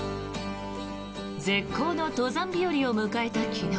絶好の登山日和を迎えた昨日